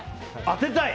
当てたい！